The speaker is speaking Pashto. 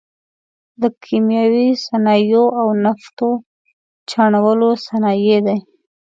د کیمیاوي صنایعو او نفتو چاڼولو صنایع دي.